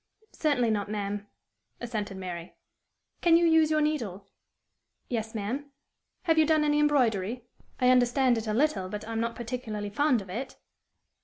"Certainly not, ma'am," assented Mary. "Can you use your needle?" "Yes, ma'am." "Have you done any embroidery?" "I understand it a little, but I am not particularly fond of it."